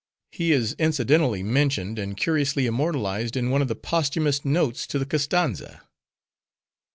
He is incidentally mentioned, and cursorily immortalized in one of the posthumous notes to the Koztanza.